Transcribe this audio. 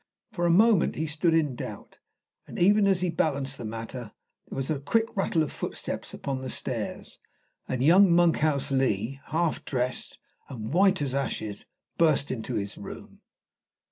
For a moment he stood in doubt and even as he balanced the matter there was a quick rattle of footsteps upon the stairs, and young Monkhouse Lee, half dressed and as white as ashes, burst into his room.